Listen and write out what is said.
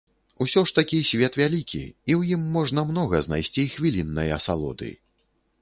Усё ж такі свет вялікі, і ў ім можна многа знайсці хвіліннай асалоды.